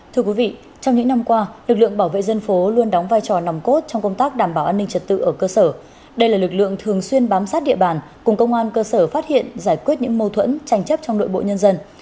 thưa quý vị trong những năm qua lực lượng bảo vệ dân phố luôn đóng vai trò nằm cốt trong công tác đảm bảo an ninh trật tự ở cơ sở đây là lực lượng thường xuyên bám sát địa bàn cùng công an cơ sở phát hiện giải quyết những mâu thuẫn tranh chấp trong nội bộ nhân dân